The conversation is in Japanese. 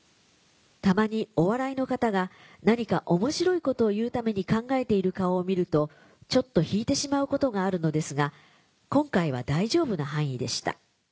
たまにお笑いの方が何か面白いことを言うために考えている顔を見るとちょっと引いてしまうことがあるのですが今回は大丈夫な範囲でした」。